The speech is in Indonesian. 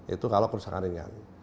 itu kalau kerusakan ringan